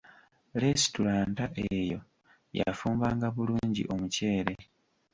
Lesitulanta eyo yafumbanga bulungi omuceere.